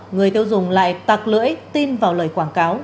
người tiêu dùng lại tạc lưỡi tin vào lời quảng cáo